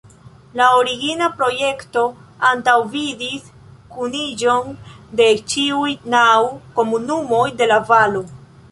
La origina projekto antaŭvidis kuniĝon de ĉiuj naŭ komunumoj de la valo.